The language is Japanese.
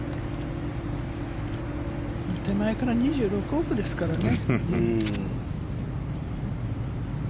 手前から２６奥ですからね。